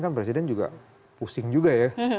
kan presiden juga pusing juga ya